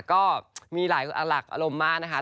ก็มีหลายหลักอารมณ์มากนะคะ